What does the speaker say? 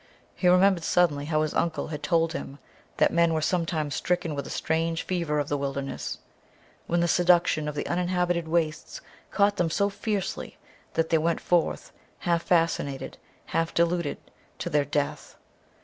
He remembered suddenly how his uncle had told him that men were sometimes stricken with a strange fever of the wilderness, when the seduction of the uninhabited wastes caught them so fiercely that they went forth, half fascinated, half deluded, to their death.